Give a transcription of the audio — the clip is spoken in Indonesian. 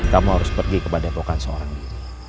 kamu harus pergi kepada pokok seorang diri